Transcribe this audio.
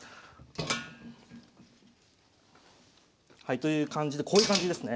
という感じでこういう感じですね。